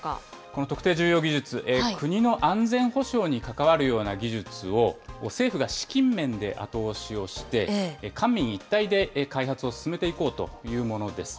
この特定重要技術、国の安全保障に関わるような技術を政府が資金面で後押しをして、官民一体で開発を進めていこうというものです。